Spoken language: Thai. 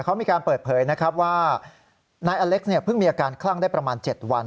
เขามีการเปิดเผยนะครับว่านายอเล็กเนี่ยเพิ่งมีอาการคลั่งได้ประมาณ๗วัน